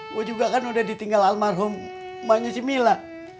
gue juga kan udah ditinggal almarhum umahnya si mila